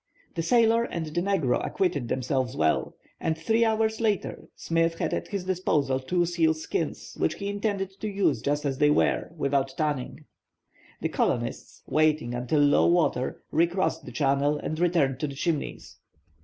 The sailor and the negro acquitted themselves well, and three hours later Smith had at his disposal two seal skins, which he intended to use just as they were, without tanning. The colonists, waiting until low water, re crossed the channel and returned to the Chimneys.